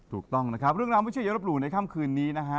ถูกต้องนะครับเรื่องราวไม่ใช่อย่ารบหลู่ในค่ำคืนนี้นะฮะ